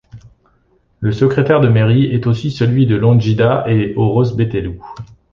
Le secrétaire de mairie est aussi celui de Longida et Oroz-Betelu.